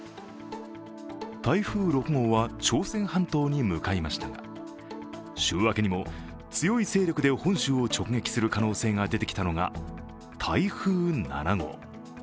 台風６号は朝鮮半島に向かいましたが週明けにも強い勢力で本州を直撃する可能性が出てきたのが台風７号。